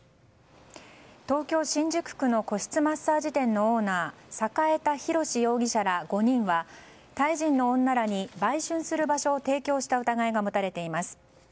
東京・新宿区の個室マッサージ店のオーナー栄田博容疑者ら５人はタイ人の女らに買春する場所を提供した疑いが持たれています。